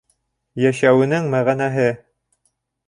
Йәшәүенең мәғәнәһе!